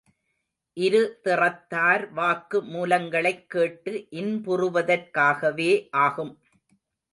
இருதிறத்தார் வாக்கு மூலங்களைக் கேட்டு இன்புறுவதற்காகவே ஆகும்.